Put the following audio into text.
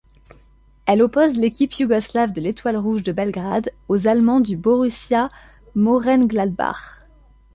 Elle oppose l'équipe yougoslave de l'Étoile rouge de Belgrade aux Allemands du Borussia Mönchengladbach.